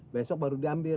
besok baru diambil